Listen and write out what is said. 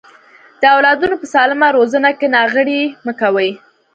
د اولادونو په سالمه روزنه کې ناغيړي مکوئ.